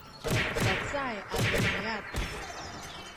cacay a demiad